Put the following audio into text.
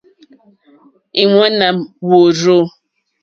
Ìŋwánà wûrzú.